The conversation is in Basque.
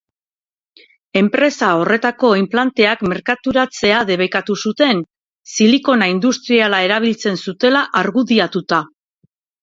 Enpresa horretako inplanteak merkaturatzea debekatu zuten, silikona industriala erabiltzen zutela argudiatuta.